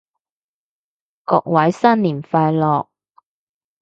各位新年快樂